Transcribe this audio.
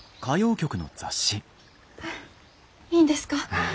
いいんですか？